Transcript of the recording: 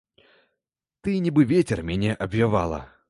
Ты, нібы вецер, мяне абвявала.